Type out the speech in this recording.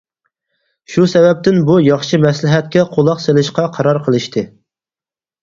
شۇ سەۋەبتىن بۇ ياخشى مەسلىھەتكە قۇلاق سېلىشقا قارار قىلىشتى.